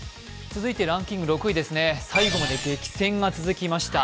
続いてランキング６位、最後まで激戦が続きました。